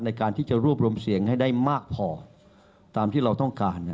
ในการที่จะรวบรวมเสียงให้ได้มากพอตามที่เราต้องการ